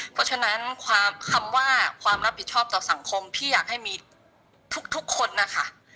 เพราะฉะนั้นความคำว่าความรับผิดชอบต่อสังคมพี่อยากให้มีทุกคนนะคะ